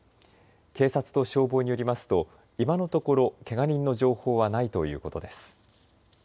警察と消防によりますと今のところ、けが人の情報はないということです。